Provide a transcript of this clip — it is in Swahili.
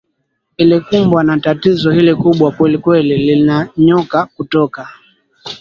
ilikumbwa na tatizo hili kubwa kweli kweli linanyoka kutoka